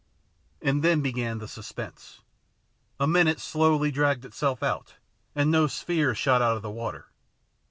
And then began the suspense. A minute slowly dragged itself out, and no sphere shot out of the water.